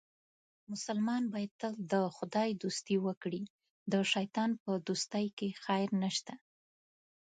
مسلمان باید تل د خدای دوستي وکړي، د شیطان په دوستۍ کې خیر نشته.